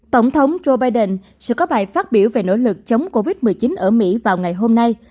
tổng thống joe biden sẽ có bài phát biểu về nỗ lực chống covid một mươi chín ở mỹ vào ngày hôm nay